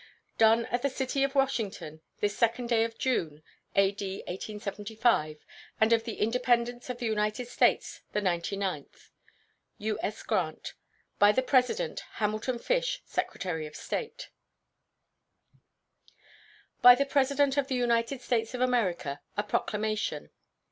] Done at the city of Washington, this 2d day of June, A.D. 1875, and of the Independence of the United States the ninety ninth. U.S. GRANT. By the President: HAMILTON FISH, Secretary of State. BY THE PRESIDENT OF THE UNITED STATES OF AMERICA. A PROCLAMATION.